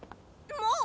もう！？